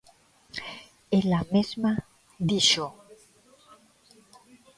Ela mesma díxoo.